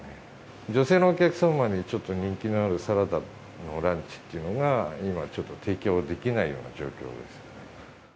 女性のお客様にちょっと人気のあるサラダのランチっていうのが、今ちょっと、提供できないような状況です。